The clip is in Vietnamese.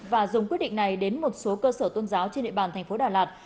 và dùng quyết định này đến một số cơ sở tôn giáo trên địa bàn tp đà lạt